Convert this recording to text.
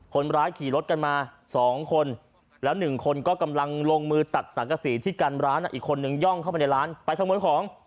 คนร้ายขี่รถกันมา๒คนแล้ว๑คนก็กำลังลงมือตัดสังกษีที่กันร้านอีกคนนึงย่องเข้าไปในร้านไปขโมยของ